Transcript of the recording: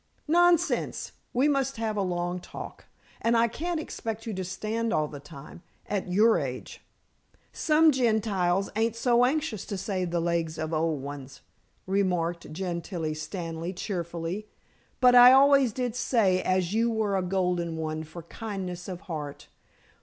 "Nonsense! We must have a long talk, and I can't expect you to stand all the time at your age." "Some Gentiles ain't so anxious to save the legs of old ones," remarked Gentilla Stanley cheerfully. "But I always did say as you were a golden one for kindness of heart.